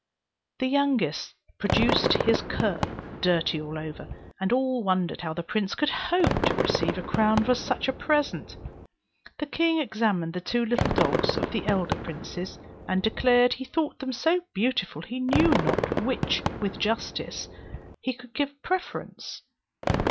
The youngest produced his cur, dirty all over, and all wondered how the prince could hope to receive a crown for such a present. The king examined the two little dogs of the elder princes, and declared he thought them so equally beautiful that he knew not to which, with justice, he could give the preference.